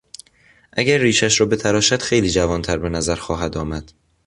اگر ریشش را بتراشد خیلی جوانتر به نظر خواهد آمد.